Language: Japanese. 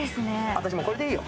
私もうこれでいいよ。